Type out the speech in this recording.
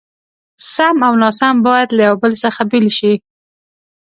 سم او ناسم بايد له يو بل څخه بېل شي.